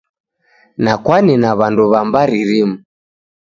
Nakwane na w'andu w'a mbari rimu.